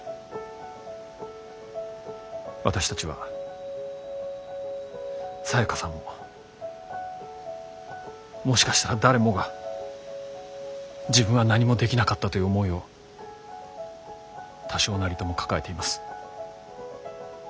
私たちはサヤカさんももしかしたら誰もが自分は何もできなかったという思いを多少なりとも抱えています。